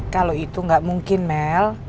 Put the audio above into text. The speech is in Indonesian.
kalau itu nggak mungkin mel